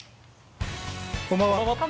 こんばんは。